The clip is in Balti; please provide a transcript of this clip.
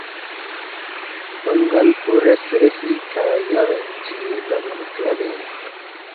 منگل پو ریس ریسی کھا یغین چی لمینگ خلانے